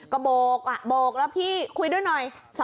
ก็โบกอ่ะโบกแล้วพี่คุยด้วยน้องพี่นะครับ